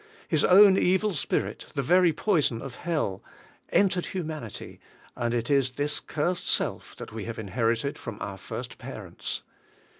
His own evil spirit, the very poison of hell, entered humanity, and it is this cursed self that we have inherited from our first parents.